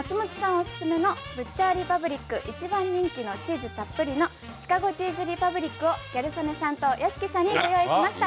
オススメのブッチャー・リパブリック、一番人気のチーズたっぷりのシカゴチーズリパブリックをギャル曽根さんと屋敷さんにご用意しました。